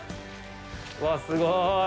うわぁ、すごい！